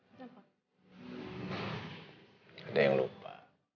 ada yang lupa